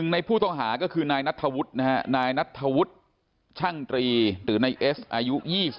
ในผู้ต้องหาก็คือนายนัทธวุฒินะฮะนายนัทธวุฒิช่างตรีหรือนายเอสอายุ๒๓